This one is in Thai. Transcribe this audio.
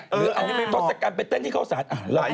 หรือเอาทศกัณฐ์ไปเต้นที่เขาสาธารณ์